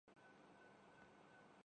اور دوسرا پانی کی ایک عجیب خاصیت تھی